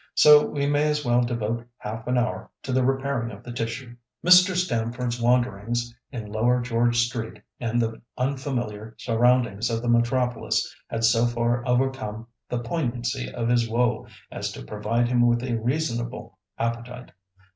So we may as well devote half an hour to the repairing of the tissue." Mr. Stamford's wanderings in Lower George Street and the unfamiliar surroundings of the metropolis had so far overcome the poignancy of his woe as to provide him with a reasonable appetite.